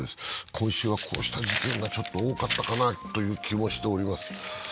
今週はこうした事件がちょっと多かったかなという気もしております。